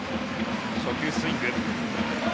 初球スイング。